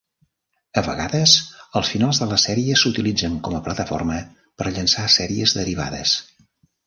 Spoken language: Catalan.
A vegades, els finals de les sèries s'utilitzen com a plataforma per llançar series derivades.